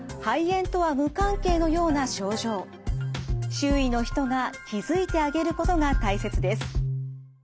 周囲の人が気付いてあげることが大切です。